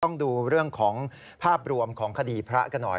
ต้องดูเรื่องของภาพรวมของคดีพระกันหน่อย